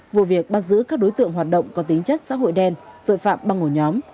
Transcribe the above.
vụ việc bắt giữ các đối tượng hoạt động có tính chất xã hội đen tội phạm băng ổ nhóm